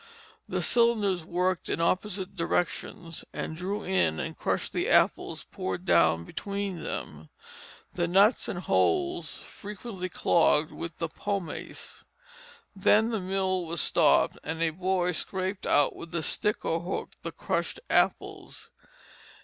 The cylinders worked in opposite directions and drew in and crushed the apples poured down between them. The nuts and holes frequently clogged with the pomace. Then the mill was stopped and a boy scraped out with a stick or hook the crushed apples.